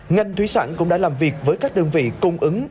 ngành thúy sản cũng đã làm việc với các đơn vị công ứng